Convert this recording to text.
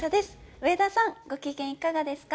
上田さん、ご機嫌いかがですか。